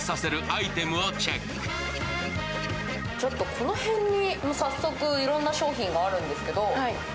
この辺に早速いろんな商品があるんですけど。